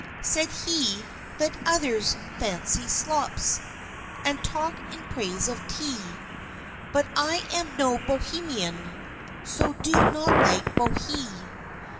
Said he, "Let others fancy slops, And talk in praise of Tea, But I am no Bohemian, So do not like Bohea.